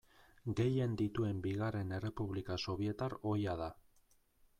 Gehien dituen bigarren errepublika sobietar ohia da.